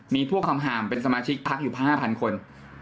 มีพวกคำห่ามเป็นสมาชิกพักอยู่๕๐๐คน